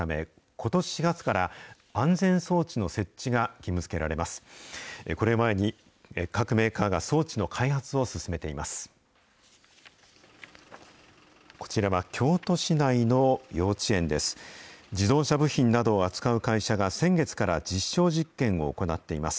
これを前に各メーカーが装置の開発を進めています。